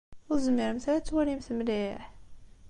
Ur tezmiremt ara ad twalimt mliḥ?